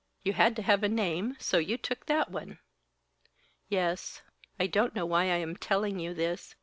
"You had to have a name, so you took that one." "Yes. I don't know why I am telling you this.